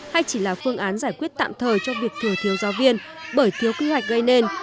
hay chỉ là phương án giải quyết tạm thời cho việc thừa thiếu giáo viên bởi thiếu quy hoạch gây nên